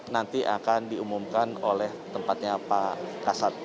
nanti akan diumumkan oleh tempatnya pak kasat